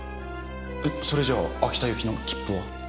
それじゃ秋田行きの切符は？